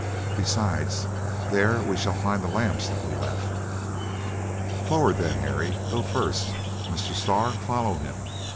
Besides, there we shall find the lamps that we left. Forward then! Harry, go first. Mr. Starr, follow him.